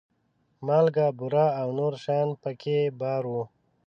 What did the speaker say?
مالګه، بوره او نور شیان په کې بار وو.